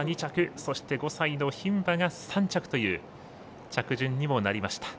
そして、５歳の牝馬が３着という着順にもなりました。